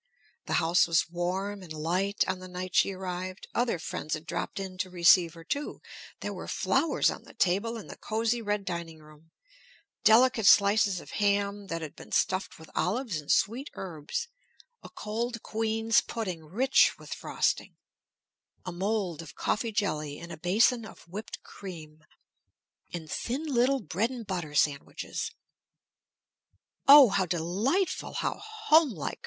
The house was warm and light on the night she arrived; other friends had dropped in to receive her, too; there were flowers on the table in the cosy red dining room, delicate slices of ham that had been stuffed with olives and sweet herbs, a cold queen's pudding rich with frosting, a mold of coffee jelly in a basin of whipped cream, and little thin bread and butter sandwiches. "Oh, how delightful, how homelike!"